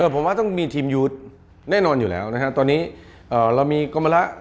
ผมว่าต้องมีทีมยูดแน่นอนอยู่แล้วนะฮะตอนนี้เรามีกรมระ